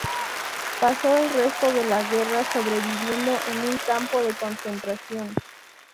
Pasó el resto de la guerra sobreviviendo en un campo de concentración.